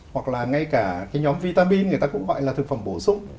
hoặc là ngay cả cái nhóm vitamin người ta cũng gọi là thực phẩm bổ sung